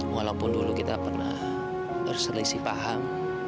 walaupun dulu kita pernah selisih paham